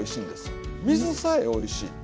水さえおいしい。